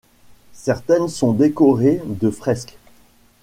Certaines sont décorées de fresques.